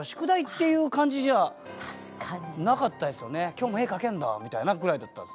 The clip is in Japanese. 「今日も絵描けんだ」みたいなぐらいだったんです。